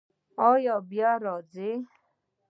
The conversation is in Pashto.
ایا بیا راځئ؟